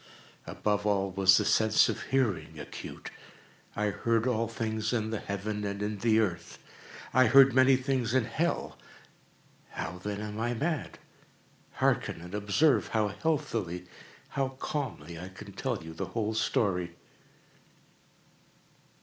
Above all was the sense of hearing acute. I heard all things in the heaven and in the earth. I heard many things in hell. How, then, am I mad? Hearken! and observe how healthily—how calmly I can tell you the whole story.